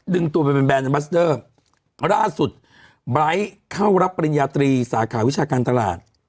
ดึงตัวเป็นแบรนด์มาสเตอร์ราชสุดไบร์ตเข้ารับปริญญาตรีสาขาวิชาการตลาด